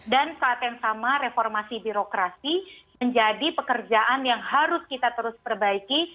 dan saat yang sama reformasi birokrasi menjadi pekerjaan yang harus kita terus perbaiki